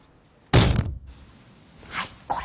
はいこれ。